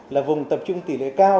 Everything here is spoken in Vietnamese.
là vùng tập trung tỉ lệ cao